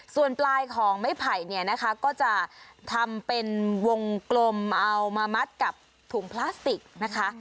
ส่วนปลายของไม้ไผ่เนี่ยนะคะก็จะทำเป็นวงกลมเอามามัดกับถุงพลาสติกนะคะ